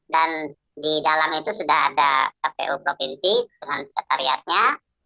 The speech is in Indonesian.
dan di dalam itu sudah ada kpu provinsi dengan sekretariatnya